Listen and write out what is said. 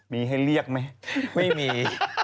มีให้เรียกไหมไม่มี